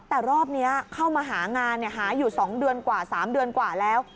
แต่รอบนี้เข้ามาหางานหาอยู่๒เดือนกว่า๓เดือนกว่าแล้ว